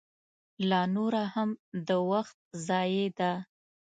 لا نوره هم د وخت ضایع ده.